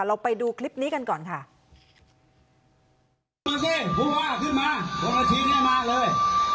เราไปดูคลิปนี้กันก่อนค่ะดูสิผู้ว่าขึ้นมาคนละทีนี้มาเลย